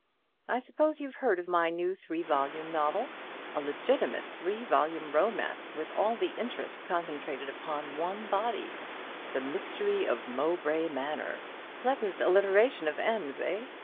I suppose you've heard of my new three volume novel a legitimate three volume romance, with all the interest concentrated upon one body, 'The Mystery of Mowbray Manor,' pleasant alliteration of M's, eh?